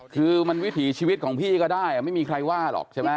คือมันวิถีชีวิตของพี่ก็ได้ไม่มีใครว่าหรอกใช่ไหม